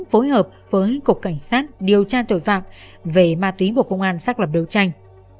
phối hợp với cục cảnh sát điều tra tội phạm về ma túy bộ công an xác lập đấu tranh